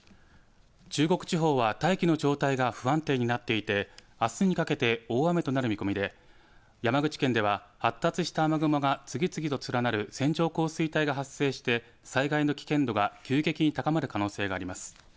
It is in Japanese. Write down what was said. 中国地方は大気の状態が不安定になっていてあすにかけて大雨となる見込みで山口県では発達した雨雲が次々と連なる線状降水帯が発生して災害の危険度が急激に高まる可能性があります。